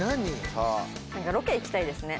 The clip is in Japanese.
ロケ行きたいですね。